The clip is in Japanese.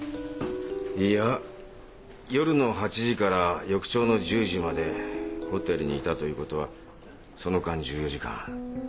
いや夜の８時から翌朝の１０時までホテルにいたということはその間１４時間。